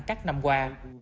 các năm qua